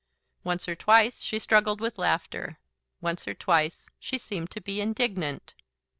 Once or twice she struggled with laughter, once or twice she seemed to be indignant.